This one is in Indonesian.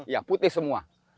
ya putih semua